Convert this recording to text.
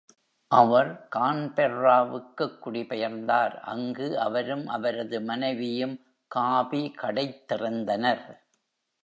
அவர் கான்பெர்ராவிற்குக் குடிபெயர்ந்தார், அங்கு அவரும் அவரது மனைவியும் காபி கடைத் திறந்தனர்.